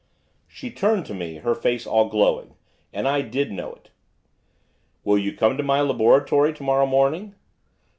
She turned to me, her face all glowing, and I did know it. 'Will you come to my laboratory to morrow morning?